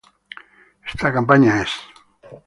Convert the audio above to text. Esta campaña es